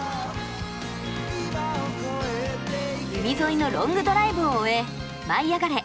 海沿いのロングドライブを終え「舞いあがれ！」